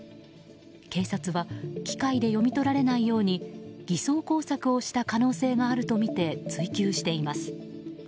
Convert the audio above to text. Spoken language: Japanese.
警察は機械で読み取られないように偽装工作をした可能性があるとみて追及しています。